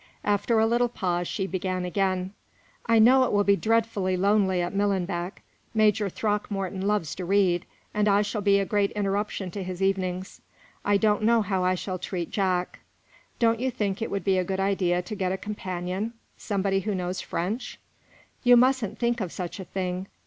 After a little pause, she began again: "I know it will be dreadfully lonely at Millenbeck. Major Throckmorton loves to read, and I shall be a great interruption to his evenings. I don't know how I shall treat Jack. Don't you think it would be a good idea to get a companion somebody who knows French?" "You musn't think of such a thing.